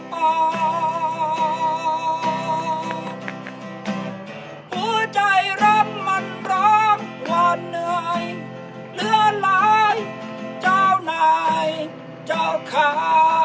หัวใจรำมันร้องหวานเหนื่อยเหลือหลายเจ้านายเจ้าขา